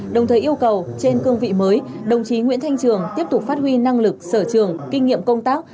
đồng thời yêu cầu trên cương vị mới đồng chí nguyễn thanh trường tiếp tục phát huy năng lực sở trường kinh nghiệm công tác